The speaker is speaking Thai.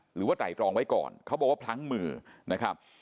หรือว่าไตรรองไว้ก่อนเขาบอกว่าพลั้งมือนะครับ